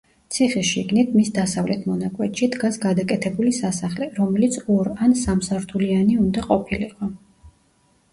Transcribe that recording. ციხის შიგნით, მის დასავლეთ მონაკვეთში, დგას გადაკეთებული სასახლე, რომელიც ორ ან სამსართულიანი უნდა ყოფილიყო.